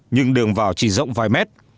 nhưng đường vào chỉ rộng vài mét